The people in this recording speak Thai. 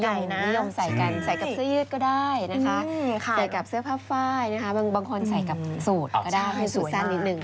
นิยมใส่กันใส่กับเสื้อยืดก็ได้นะคะใส่กับเสื้อผ้าไฟล์นะคะบางคนใส่กับสูตรก็ได้ให้สูตรสั้นนิดนึง